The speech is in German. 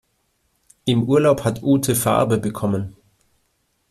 Im Urlaub hat Ute Farbe bekommen.